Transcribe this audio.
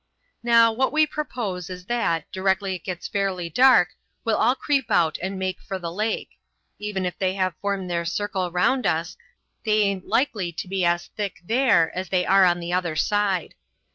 Now, what we propose is that, directly it gets fairly dark, we'll all creep out and make for the lake. Even if they have formed their circle round us, they aint likely to be as thick there as they are on the other side.